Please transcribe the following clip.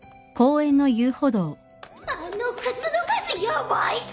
あの靴の数ヤバいさ！